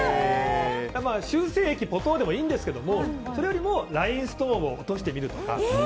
修正液をポトでもいいんですがそれよりもラインストーンを落としてみるとか